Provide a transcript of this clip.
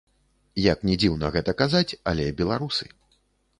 Як ні дзіўна гэта казаць, але беларусы.